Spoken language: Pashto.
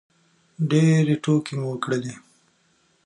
ډېرې ټوکې مو وکړلې